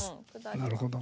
なるほど。